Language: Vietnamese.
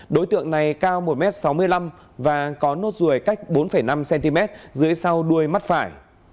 đối tượng này cao một m sáu mươi năm và có nốt ruồi cách bốn năm cm dưới sau đuôi mắt phải